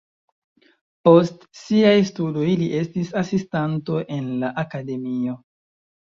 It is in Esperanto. Post siaj studoj li estis asistanto en la akademio.